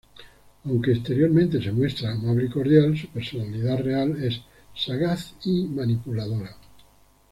Aunque exteriormente se muestra amable y cordial, su personalidad real es sagaz y manipuladora.